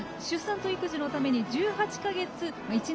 出産と育児のために１８か月